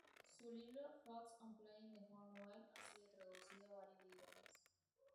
Su libro "Thoughts on Playing the Horn Well" ha sido traducido a varios idiomas.